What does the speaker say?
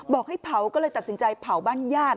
บอกให้เผาก็เลยตัดสินใจเผาบ้านญาติ